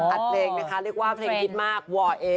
เพลงนะคะเรียกว่าเพลงฮิตมากวอร์เอ